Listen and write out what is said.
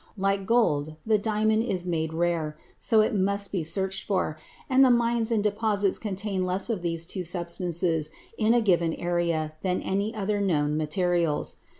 Like gold, the diamond was made rare, so that it must be searched for, and the mines and deposits contain less of these two substances in a given area than of any other known materials.